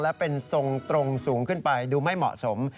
และเป็นทรงตรงสูงขึ้นไปดูไม่เหมาะสม